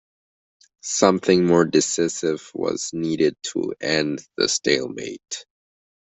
Something more decisive was needed to end the stalemate.